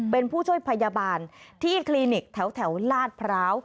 เป็นผู้ช่วยพยาบาลที่คลินิกแถวลาดพร้าว